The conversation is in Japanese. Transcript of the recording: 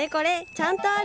ちゃんとある。